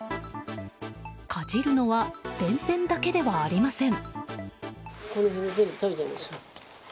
かじるのは電線だけではありません。